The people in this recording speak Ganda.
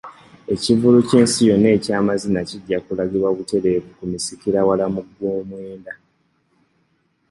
Ekivvulu ky'ensi yonna eky'amazina kijja kulagibwa butereevu ku misikira wala mu gwomwenda.